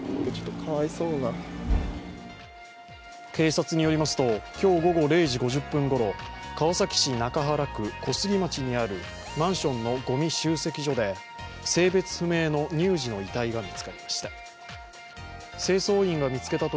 警察によりますと、今日午後０時５０分ごろ、川崎市中原区小杉町にあるマンションのごみ集積所で性別不明の乳児の遺体が見つかりました。